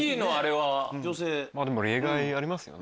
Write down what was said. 例外ありますよね。